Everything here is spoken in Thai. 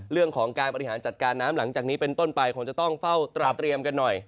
เรื่องของการบริหารจัดการน้ำหลังจากนี้เป็นต้นไปคงจะต้องเฝ้าตราเตรียมกันหน่อย